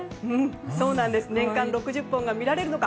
年間６０本が見られるのか。